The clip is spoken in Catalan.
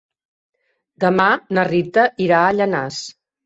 Demà na Rita irà a Llanars.